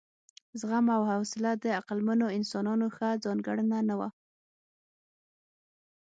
زغم او حوصله د عقلمنو انسانانو ښه ځانګړنه نه وه.